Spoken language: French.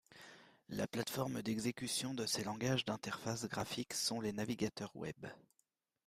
La plateforme d'exécution de ces langages d'interface graphique sont les navigateurs webs.